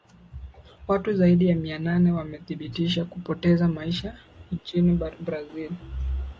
watu zaidi ya mia nane wamethibitishwa kupoteza maisha nchini brazil